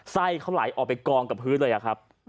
ไส้เขาไหลออกไปกองกับพื้นเลยอะครับ